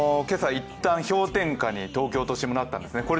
今朝、いったん氷点下に東京都心もなったんですね。